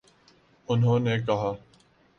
انہوں نے کہا